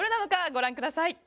ご覧ください